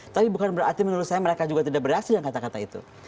tapi bukan berarti menurut saya mereka juga tidak bereaksi dengan kata kata itu